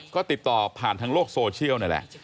ก็ติดต่อผ่านทางโลกโซเชียลนั่นแหละ